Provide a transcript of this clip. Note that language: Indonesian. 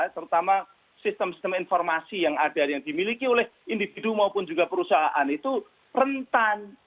terutama sistem sistem informasi yang ada yang dimiliki oleh individu maupun juga perusahaan itu rentan